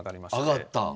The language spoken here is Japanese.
上がった。